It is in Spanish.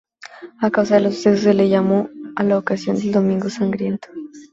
A causa de los sucesos, se le llamó a la ocasión el domingo sangriento.